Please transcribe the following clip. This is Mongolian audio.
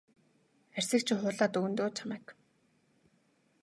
Арьсыг чинь хуулаад өгнө дөө чамайг.